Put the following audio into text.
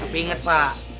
tapi inget pak